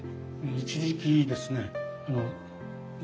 一時期ですね娘